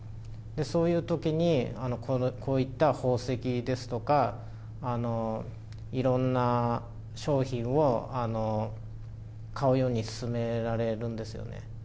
そういうときに、こういった宝石ですとか、いろんな商品を、買うように勧められるんですよね。